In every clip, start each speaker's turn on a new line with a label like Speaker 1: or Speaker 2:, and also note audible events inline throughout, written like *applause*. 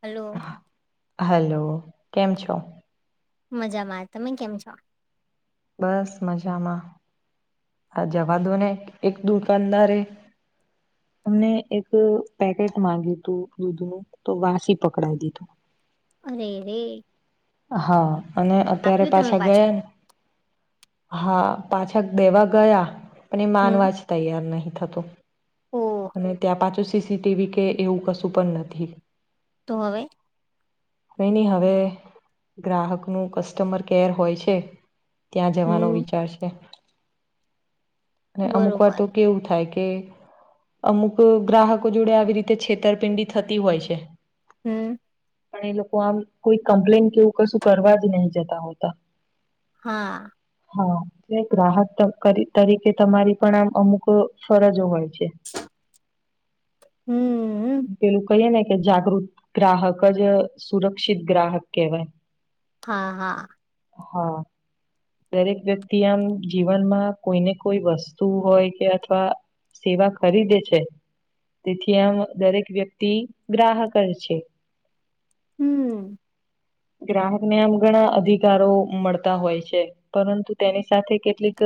Speaker 1: Hello
Speaker 2: hello કેમ છો
Speaker 1: મજામાં તમે કેમ છો
Speaker 2: બસ મજામાં આ જવા દો ને એક દુકાનદારે અમને એક પેકેટ માંગ્યું તું દૂધ નું તો વાસી પકડાઈ દીધું
Speaker 1: અરેરેે
Speaker 2: હા અને અત્યારે
Speaker 1: તમે
Speaker 2: પાછા
Speaker 1: પાછું
Speaker 2: ગયાને હા પાછા દેવા ગયા પણ એ
Speaker 1: હમ
Speaker 2: માનવા જ તૈયાર નહ થતું
Speaker 1: ઓ
Speaker 2: અને ત્યાં પાછું સીસીટીવી કે એવું કશું પણ નથી
Speaker 1: તો હવે
Speaker 2: બેઈની હવે ગ્રાહક નું કસ્ટમર કેર હોય છે, ત્યાં જવાનો
Speaker 1: હમ
Speaker 2: વિચાર છે. અને અમુક વાર
Speaker 1: બરોબર
Speaker 2: તો કેવું થાય કે કે અમુક ગ્રાહકો જોડે આવી રીતે છેતરપિંડી થતી હોય છે.
Speaker 1: હમ
Speaker 2: પણ એ લોકો આમ કોઈ કમ્પ્લેન કેવું કશું કરવા જ નહી જતા હોતા
Speaker 1: હા
Speaker 2: હા એ ગ્રાહક તરીકે તમારી પણ આમ અમુક ફરજો હોય
Speaker 1: હમ
Speaker 2: *unintelligible* કે જાગૃત ગ્રાહક જ સુરક્ષિત ગ્રાહક કહેવાય
Speaker 1: હા હા
Speaker 2: હા દરેક વ્યક્તિ આમ જીવનમાં કોઈને કોઈ વસ્તુ હોય કે અથવા સેવા ખરીદે છે, તેથી આમ દરેક વ્યક્તિ ગ્રાહક જ છે.
Speaker 1: હમ
Speaker 2: ગ્રાહક ને આમ ઘણા અધિકારો મળતા હોય છે. પરંતુ તેની સાથે કેટલીક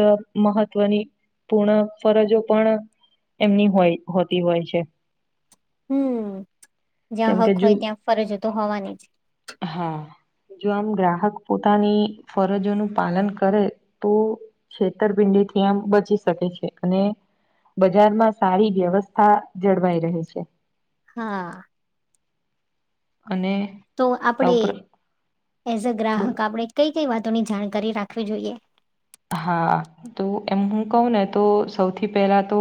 Speaker 2: મહત્વની પૂર્ણ ફરજો પણ એમની હોય હોતી હોય છે.
Speaker 1: હમ જ્યાં
Speaker 2: કેમ કે
Speaker 1: હક
Speaker 2: જો
Speaker 1: હોય ત્યાં ફરજતો હોવાની જ
Speaker 2: હા જો આમ ગ્રાહક પોતાની ફરજોનું પાલન કરે તો છેતરપિંડીથી આમ બચી શકે છે અને બજારમાં સારી વ્યવસ્થા જળવાઈ રહી છે.
Speaker 1: હા
Speaker 2: અને
Speaker 1: તો
Speaker 2: સૌ
Speaker 1: આપણેે
Speaker 2: પ્ર
Speaker 1: એઝ અ
Speaker 2: બોલો
Speaker 1: ગ્રાહક આપણે કઈ કઈ વાતોની જાણકારી રાખવી જોઈએ
Speaker 2: હા તો એમ હું કહું ને તો સૌથી પહેલા તો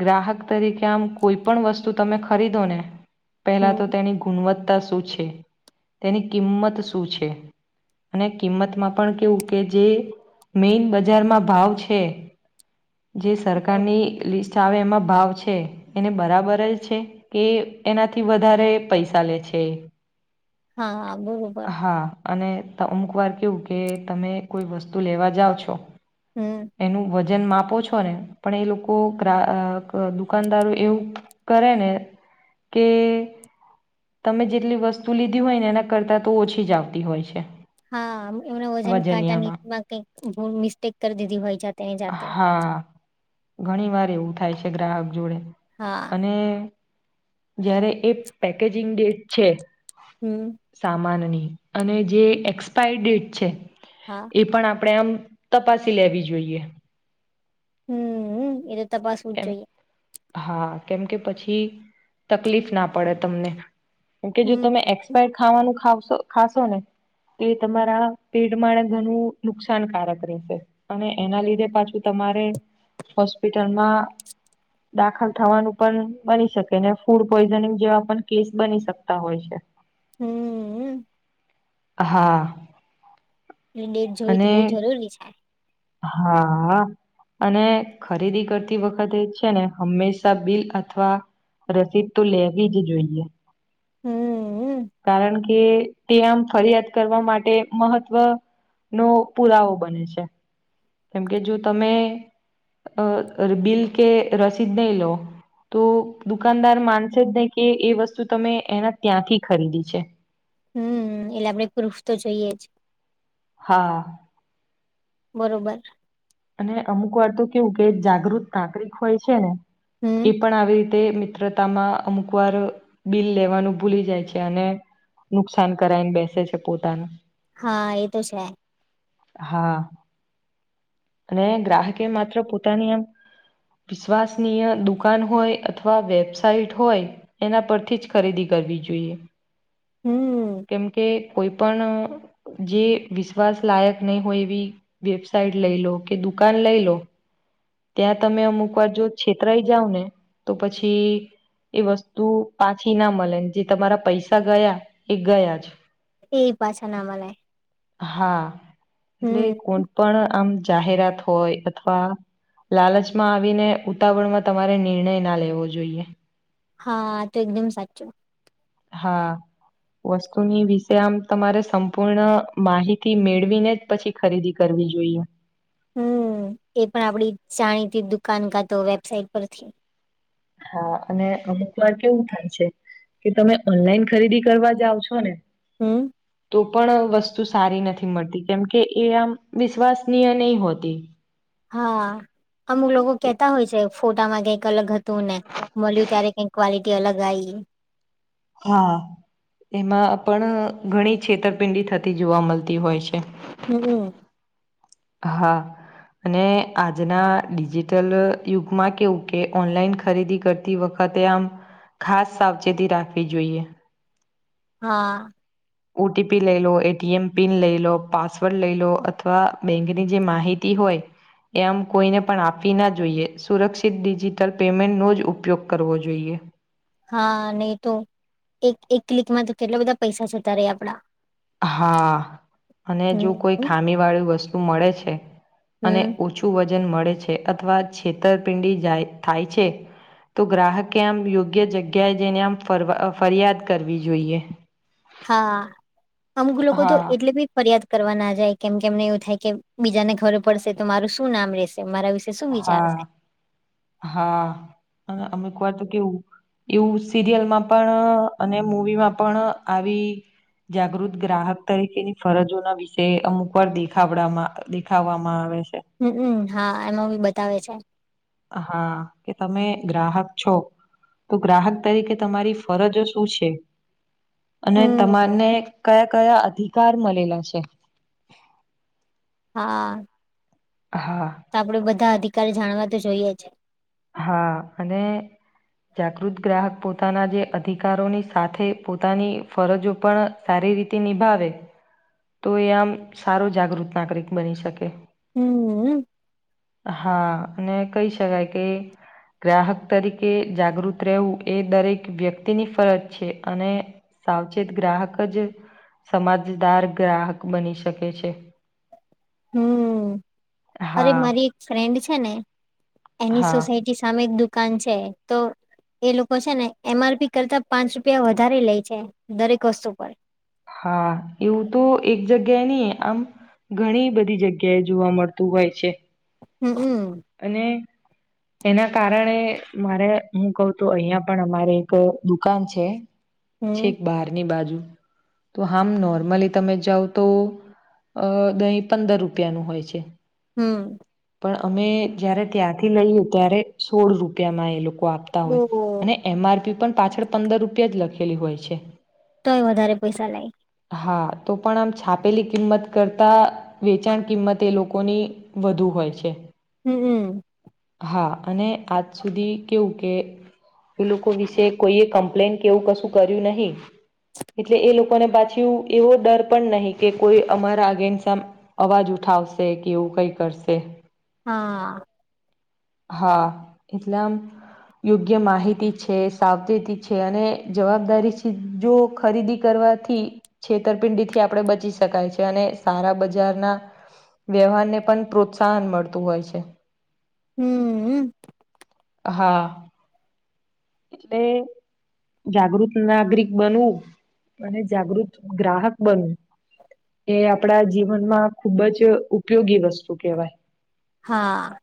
Speaker 2: ગ્રાહક તરીકે આમ કોઈ પણણ વસ્તુ તમે ખરીદો ને પહેલા તો
Speaker 1: હમ
Speaker 2: તેની ગુણવત્તા શું છે તેની કિંમત શું છે. અને કિંમતમાં પણ કેવું કે જે મેઈન બજારમાં ભાવ છે. જે સરકારની લિસ્ટ આવે એમાં ભાવ છે, એને બરાબર જ છે. કે એનાથી વધારે પૈસા લે છે.
Speaker 1: હા બો
Speaker 2: હા અને અમુક વાર કેવું કે તમે કોઈ વસ્તુ લેવા જાઓ છો
Speaker 1: હમ
Speaker 2: એનું વજ જન માપો છો ને પણ એ લોકો પ્રા અ અ દુકાનદારો એવું કરે ને કે, તમે જેટલી વસ્તુ લીધી હોય ને એના કરતા તો ઓછી જ આવતી હોય છે.
Speaker 1: હા એમના વજન કાંટાની
Speaker 2: વજનિયામાં.
Speaker 1: માં કઈક ભુલ મિસ્ટેક કરી દીધી હોય છે તેની જાતે.
Speaker 2: હા. ઘણી વાર એવું થાય છે ગ્રાહક જોડે.
Speaker 1: હા.
Speaker 2: અને જ્યારે એ પેકેજિંગ ડેટ છે
Speaker 1: હમ.
Speaker 2: સામાનની અને જે એક્સપાયર ડેટ છે.
Speaker 1: હા
Speaker 2: એ પણ આપણે આમ તપાસી લેવી જોઈએ.
Speaker 1: હમ એ તો તપાસવું જ
Speaker 2: કેમ
Speaker 1: જોઈએ.
Speaker 2: હા કેમ કે પછી તકલીફ ના પડે તમને. કેમકે જો
Speaker 1: હમ
Speaker 2: તમે એક્સપાયર્ડ ખાવાનું ખોવસો ખાશોને તો એ તમારા પેટમાં ઘણું નુકસાનકારક રહેશે. અને એના લીધે પાછું તમારે હોસ્પિટલમાં દાખલ થવાનું પણ બની શકે. ને ફૂડ પોઈઝનિંગ જેવા પણ કેસ બની શકતા હોય છે.
Speaker 1: હમ...
Speaker 2: હા.
Speaker 1: ની ડેટ જોવી તો
Speaker 2: અને
Speaker 1: બહુ જરૂરી છે
Speaker 2: હા આ. અને ખરીદી કરતી વખતે છે ને હંમેશા બિલ અથવા રસીદ તો લેવી જ જોઈએ.
Speaker 1: હમ..
Speaker 2: કારણ કે તે આમ ફરિયાદ કરવા માટે મહત્વ નો પુરાવો બને છે. કેમ કે જો તમે અ બિલ કે રસીદ નહી લો તો દુકાનદાર માનસે જ નહિ કે, એ વસ્તુ તમે એના ત્યાંથી જ ખરીદી છે.
Speaker 1: હમ એટલે આપણેે પ્રુફ તો જોઈએ જ.
Speaker 2: હા.
Speaker 1: બરોબર.
Speaker 2: અને અમુકવાર તો કેવું કે જાગૃત નાગરિક હોય છે ને એ
Speaker 1: હમ
Speaker 2: પણ આવી તે મિત્રતામાં અમુક વાર બિલ લેવાનું ભૂલી જાય છે અને નુકસાન કરાઈને બેસે છે પોતાનું.
Speaker 1: હા એ તો છે.
Speaker 2: હા. અને ગ્રાહકે માત્ર પોતાની આમ વિશ્વાસનીય દુકાન હોય અથવા વેબસાઇટ હોય એના પરથી જ ખરીદી કરવી જોઈએ.
Speaker 1: હમ.
Speaker 2: કેમકે કોઈ પણ જે વિશ્વાસ લાયક નહીં હોય એવી વેબસાઇટ લઈ લો કે, દુકાન લઈ લો ત્યાં તમે અમુકવાર જો છેતરાઈ જાવને તો પછી એ વસ્તુ પાછી ના મલે, જે તમારા પૈસા ગયા એ ગયા જ.
Speaker 1: એય પાછા ના મલે.
Speaker 2: હા. એટલે
Speaker 1: હમ
Speaker 2: કોઈ પણ આમ જાહેરાત હોય અથવા લાલચમાં આવીને, ઉતાવળમાં તમારે નિર્ણય ન લેવો જોઈએ.
Speaker 1: હા, તો એકદમ સાચું.
Speaker 2: હા વસ્તુની વિશે આમ તમારે સંપૂર્ણ માહિતી મેળવીને જ પછી ખરીદી કરવી જોઈએ
Speaker 1: હમ્મ એ પણ આપડી જાણીતી દુકાન કાતો વેબસાઇટ પરથી
Speaker 2: હા અને અમુક વાર કેવું થાય છે કે તમે ઓનલાઈન ખરીદી કરવા જાઓ છો ને
Speaker 1: હમ્મ
Speaker 2: તો પણ વસ્તુ સારી નથી મળતી કેમકે એ આમ વિશ્વાશનીય ની હોતી
Speaker 1: હા અમુક લોકો કેતા હોય છે ફોટામાં કઈક અલગ તું ને મળ્યું ત્યારે કઈક ક્વલિટી અલગ આવી
Speaker 2: હા એમાં પણ ઘણી છેતરપિંડી થતી જોવા મળતી હોય છે
Speaker 1: હમ્મ
Speaker 2: હા અને આજના ડિજિટલ યુગમાં કેવું કે ઓનલાઈન ખરીદી કર તી વખતે આમ ખાસ સાવચેતી રાખવી જોઈએ
Speaker 1: હા
Speaker 2: ઓટીપી લઈ લો એટીએમ પિન લઈ લો પાસવર્ડ લઈ લો અથવા બેંકની જે માહિતી હોય એમ કોઈને પણ આપવી ના જોઈએ સુરક્ષિત ડિજિટલ પેમેન્ટનો જ ઉપયોગ કરવો જોઈએ
Speaker 1: હા નહી તો એક એક ક્લિકમાં તો કેટલા બધા પૈસા જતા ર આપડા
Speaker 2: હા અને
Speaker 1: હમ.
Speaker 2: જો કોઈ ખામી વાળી વસ્તુ મળે છે અને
Speaker 1: હમ
Speaker 2: ઓ ઓછું વજન મળે છે અથવા છેતરપિંડી જાય થાય છે તો ગ્રાહકે આમ યોગ્ય જગ્યાએ જઈને આમ ફર ફરિયાદ કરવી જોઈએ
Speaker 1: હા અમુક લોકો તો
Speaker 2: હા
Speaker 1: એટલે બી ફરિયાદ કરવા ના જાય કેમ કે એમને એવું થાય કે બીજાને ખરે પડશે તો મારું શું નામ રહેેશે મારા વિ
Speaker 2: હા હા અને અમુક વાર તો કેવું એવું સિરિયલ માં પણ અને મુવી માં પણ આવી જાગૃત ગ્રાહક તરીકેની ફરજોના વિષ અમુક વાર દેખડવા દેખાવામાં આવે છે
Speaker 1: હમ્મ હમ્મ હા એમાં બી બતાવે છે
Speaker 2: હા કે તમે ગ્રાહક છો તો ગ્રાહક તરીકે તમારી ફરજો શું છે અને
Speaker 1: હમ.
Speaker 2: તમારને કયા કયા અધિકાર મળેલા છે
Speaker 1: હા
Speaker 2: હા
Speaker 1: તો આપડે બધા અધિકારી જાણવા તો જોઈએ છે
Speaker 2: હા અને જાગૃત ગ્રાહક પોતાના જે અધિકારોની સાથે પોતાની ફરજો પણ સારી રીતે નિભાવે તો એ આમ સારો જાગૃત નાગરિક બની શકે
Speaker 1: હમ્મ
Speaker 2: હા અને કહી શકાય કે ગ્રાહક તરીકે જાગૃત રહેવું એ દરેક વ્યક્તિની ફરજ છે અને સાવચેત ગ્રાહક જ સમમાજદાર ગ્રાહક બની શકે છે
Speaker 1: હમ્મ અરે
Speaker 2: હા
Speaker 1: મારી એક ફ્રેન્ડ છે ને એની
Speaker 2: હા
Speaker 1: સોસાયટી સામે એક દુકાન છે તો એ લોકો છે ને એમ આરપી કરતા પાંચ રૂપિયા વધારે લે છે દરેક વસ્તુ પર
Speaker 2: હા એવું તો એક જગ્યાએ નહી આમ ઘણી બધી જગ્યાએ જોવા મળતું હોય છે
Speaker 1: હમ્મ
Speaker 2: અને એના કારણે મારે હું કહ તું અહિયાં પણ અમારે એક દુકાન છે.
Speaker 1: હમ
Speaker 2: છેક બહારની બાજુ તો આમ નોર્મલી તમે જાઓ તો અ દહીં પંદર રૂપિયાનું હોય છે.
Speaker 1: હમ.
Speaker 2: પણ અમે જયારે ત્યાંથી લઈએ ત્યારે સોળ રૂપિયામાં એ લોકો આપ
Speaker 1: તો
Speaker 2: અને એમ આરપી પણ પાછળ પંદર રૂપિયા જ લખેલી હોય છે.
Speaker 1: તોય વધારે પૈસા લાગ
Speaker 2: હા તો પણ આમ છાપેલી કિંમત કરતા વેચાણ કિંમત એ લોકોની વધુ હોય છે.
Speaker 1: હમ, હમ.
Speaker 2: હા અને આજ સુધી કેવું કે એ લોકો વિશે કોઈએ કમ્પ્લેન કેવું કશું કર્યું નહી એટલે એ લોકોને પાછી એવો ડર પણ નહી કે કોઈ અમારા અગેન અવાજ ઉઠાવશે કે એવું કઈ કરશે
Speaker 1: હા.
Speaker 2: હા એટલેમ યોગ્ય માહિતી છે, સાવચેતી છે, અને જવાબદારી છે. જો ખરીદી કરવાથી છેતરપિંડીથી આપડણે બચી શકાય છે, અને સારા બજારના વ્યવહારને પણ પ્રોત્સાહન મળતું હોય છે.
Speaker 1: હમ.
Speaker 2: હા. એટલે જાગૃત નાગરિક બનવું અને જાગૃત ગ્રાહક બનવું એ આપણા જીવનમાં ખુબ જ ઉપયોગી વસ્તુ કેહેવાય
Speaker 1: હા.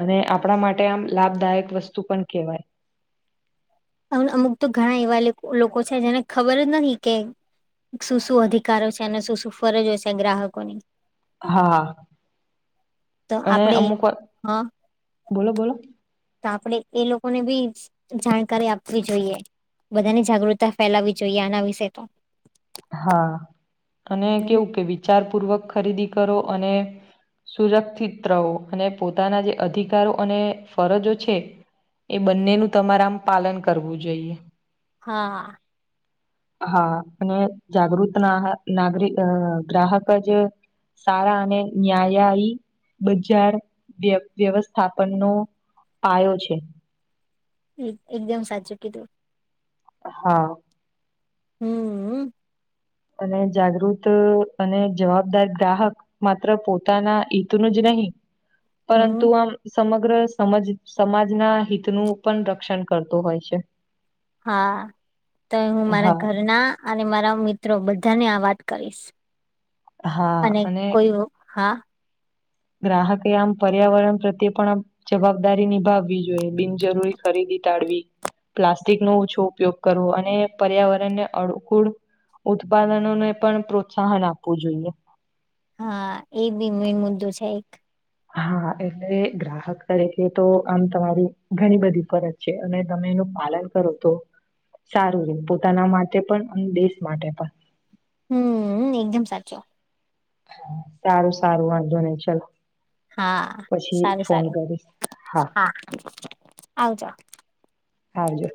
Speaker 2: અને આપણા માટે આમ લાભદાયક વસ્તુ પણ કેહેવાય
Speaker 1: અમ અમુક તો ઘણા એવા લોકો છે, જેને ખબર જ નથી કે શુંશું અધિકારો છે, અને શું શું ફરજ હો છે, ગ્રાહકો ની
Speaker 2: હા
Speaker 1: તો
Speaker 2: અને
Speaker 1: આપડે
Speaker 2: અમુક
Speaker 1: હા
Speaker 2: બોલો
Speaker 1: તો આપણેે એ લોકોને બી જાણકારી આપવી જોઈએ બધાની જાગૃતતા ફેલાવી જોઈએ આના વિશે તો
Speaker 2: હા અને
Speaker 1: હમ,
Speaker 2: કેવું કે વિચાર પૂર્વક ખરીદી કરો અને સુરક્ષિતવો અને પોતાના જે અધિકારો અને ફરજો છે. એ બંનેનું તમારે આમ પાલન કરવું જોઈએ
Speaker 1: હા.
Speaker 2: હા અને જાગૃત ના નાગર ગ્રાહક જ સારા અને ન્યાયયી બજાર વ વ્યવસ્થાપનનો આયો છે.
Speaker 1: એકદમ સાચું કીધું
Speaker 2: હા.
Speaker 1: હમ.
Speaker 2: અને જાગૃત અને જવાબદાર ગ્રાહક માત્ર પોતાના હિત નું જ નહીં પરંતુ
Speaker 1: હમ
Speaker 2: આમ સમગ્ર સમજ સમાજના હિતનું પણ રક્ષણ કરતો હોય છે.
Speaker 1: હા તો હું મારા
Speaker 2: હા
Speaker 1: ઘરના અને મારા મિત્રો બધા ને આ વાત કરીશ અને કોઈ હા
Speaker 2: ગ્રાહકે આમ પર્યાવરણ પ્રત્યે પણ આમ જવાબદારી નિભાવવી જોઈએ જરૂરી ખરીદી ટાળવી પ્લાસ્ટિક નો ઓછો ઉપયોગ કરવો અને પર્યાવરણને અનુકૂળ ઉત્પાદનોને પણ પ્રોત્સાહન આપવું જોઈએ
Speaker 1: હા એ બી મેન મુદ્દો છે
Speaker 2: હા એટલે ગ્રાહક તરીકે તો આમ તમારી ઘણી બધી ફરજ છે અને તમે એનું પાલન કરો તો સારું રહે પોતાના માટે પણ અને દેશ માટે પણ
Speaker 1: હમ્મ એકદમ સાચો
Speaker 2: સારું સારું વાંધો નહી ચલો
Speaker 1: હા
Speaker 2: પછી
Speaker 1: સારું
Speaker 2: ફોન
Speaker 1: સારું
Speaker 2: કરીશ
Speaker 1: હા આવજો
Speaker 2: આવજો